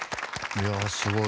いやすごい。